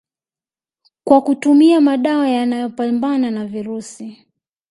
kwa kutumia madawa ya yanayopambana na virusi